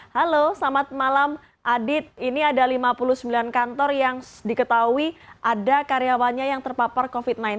halo selamat malam adit ini ada lima puluh sembilan kantor yang diketahui ada karyawannya yang terpapar covid sembilan belas